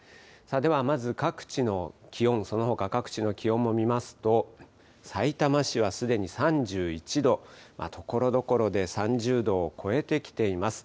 ではまず各地の気温、そのほか、各地の気温も見ますと、さいたま市はすでに３１度、ところどころで３０度を超えてきています。